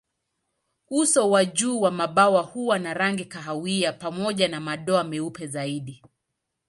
Uso wa juu wa mabawa huwa na rangi kahawia pamoja na madoa meupe zaidi.